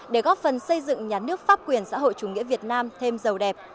để góp phần xây dựng nhà nước pháp quyền xã hội chủ nghĩa việt nam thêm giàu đẹp